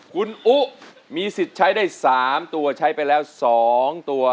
คุณอุ๊มีสิทธิ์ใช้ได้๓ตัวใช้ไปแล้ว๒ตัว